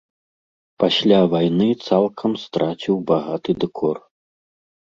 Пасля вайны цалкам страціў багаты дэкор.